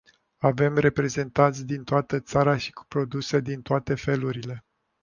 Avem reprezentanți din toată țara și cu produse de toate felurile.